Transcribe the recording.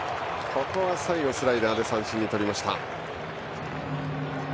ここは最後スライダーで三振に取りました。